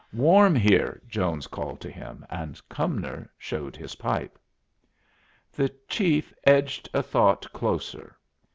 "Warm here!" Jones called to him, and Cumnor showed his pipe. The chief edged a thought closer.